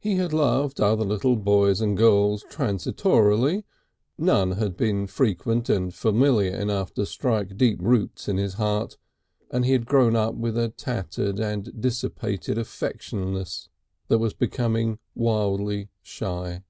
He had loved other little boys and girls transitorily, none had been frequent and familiar enough to strike deep roots in his heart, and he had grown up with a tattered and dissipated affectionateness that was becoming wildly shy.